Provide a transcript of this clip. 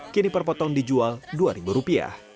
kini per potong dijual rp dua